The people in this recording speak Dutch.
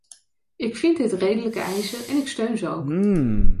Ik vind dit redelijke eisen en ik steun ze ook.